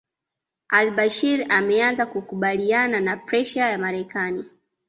AlBashir ameanza kukubaliana na presha ya Marekani